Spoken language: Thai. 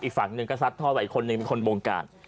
อีกฝั่งหนึ่งก็สัดทอดและอีกคนนึงคุณบองการ